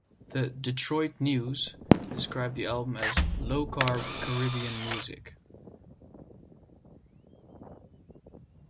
The "Detroit News" described the album as "low-carb Caribbean music".